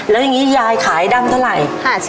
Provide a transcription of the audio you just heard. แล้วอย่างนี้ยายขายดำเท่าไหร่